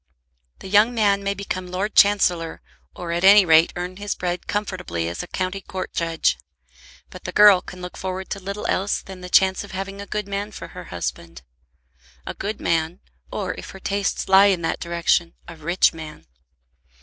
The young man may become Lord Chancellor, or at any rate earn his bread comfortably as a county court judge. But the girl can look forward to little else than the chance of having a good man for her husband; a good man, or if her tastes lie in that direction, a rich man.